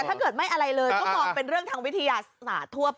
แต่ถ้าเกิดไม่อะไรเลยก็มองมาเป็นเรื่องวิธีศาสตร์ทั่วไป